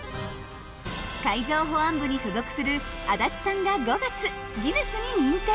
海上保安部に所属する安達さんが５月ギネスに認定。